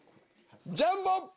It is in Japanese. ジャンボ！